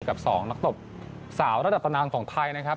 กับ๒นักตบสาวระดับตำนานของไทยนะครับ